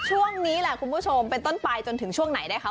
ช่วงนี้แหละคุณผู้ชมเป็นต้นไปจนถึงช่วงไหนนะคะ